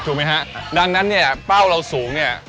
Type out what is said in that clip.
ถูกไหมฮะดังนั้นเนี่ยเป้าเราสูงเนี่ย